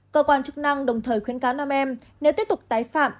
cơ quan chức năng đồng thời khuyến cáo nam em nếu tiếp tục tái phạm